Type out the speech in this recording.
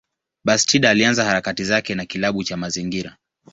Bastida alianza harakati zake na kilabu cha mazingira.